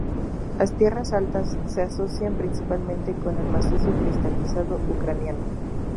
Las tierras altas se asocian principalmente con el macizo cristalizado ucraniano.